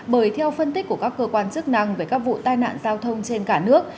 bởi theo phân tích của các cơ quan chức năng về các vụ tai nạn giao thông trên cả nước